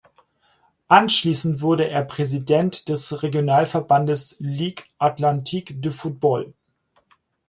Anschließend wurde er Präsident des Regionalverbandes "Ligue Atlantique de football".